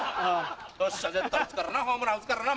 よっしゃ絶対打つからなホームラン打つからな。